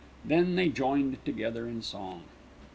Then they joined together in song.